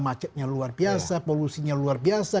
macetnya luar biasa polusinya luar biasa